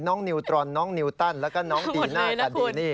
นิวตรอนน้องนิวตันแล้วก็น้องดีน่าคาเดนี่